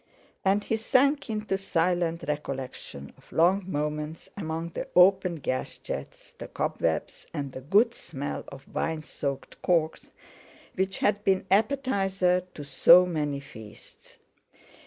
And he sank into silent recollection of long moments among the open gas jets, the cobwebs and the good smell of wine soaked corks, which had been appetiser to so many feasts.